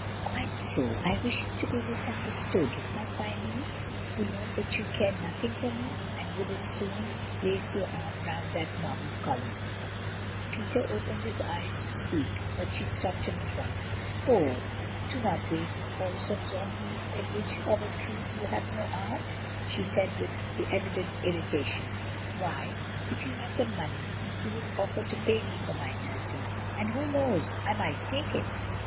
"Quite so, I wish it to be misunderstood: not by me, who know that you care nothing for me and would as soon place your arm round that marble column." Peter opened his lips to speak, but she stopped him at once. "Oh! do not waste falsehoods on me, in which of a truth you have no art," she said with evident irritation. "Why, if you had the money, you would offer to pay me for my nursing, and who knows, I might take it!